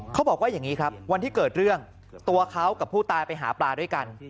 เขาบอกว่าอย่างนี้ครับวันที่เกิดเรื่องตัวเขากับผู้ตายไปหาปลาด้วยกัน